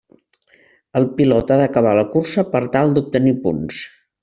El pilot ha d'acabar la cursa per tal d'obtenir punts.